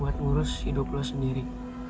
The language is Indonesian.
buat ngurus hiduplah sendiri